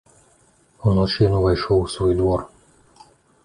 Уночы ён увайшоў у свой двор.